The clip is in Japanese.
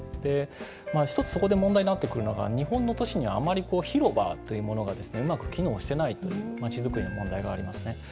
１つ、そこで問題になってくるのが日本の都市にはあまり広場というものがうまく機能していないというまちづくりの問題がありますね。